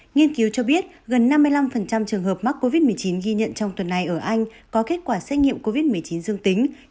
nghiên cứu cho biết gần năm mươi năm trường hợp mắc covid một mươi chín ghi nhận trong tuần này ở anh có kết quả xét nghiệm covid một mươi chín dương tính